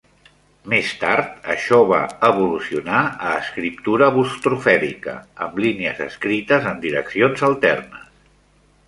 Més tard, això va evolucionar a escriptura bustrofèdica amb línies escrites en direccions alternes.